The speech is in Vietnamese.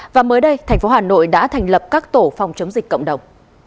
và mới đây thành phố hà nội đã thành lập các tổ phòng chống dịch cộng đồng